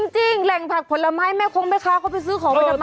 จริงแหล่งผักผลไม้แม่คงแม่ค้าเขาไปซื้อของไปทำไม